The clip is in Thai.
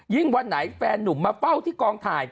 ยิ่งวันใดแฟนนุ่มมาเป้าที่กล้องถ่าย